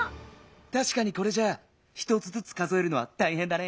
たしかにこれじゃあ１つずつ数えるのはたいへんだね。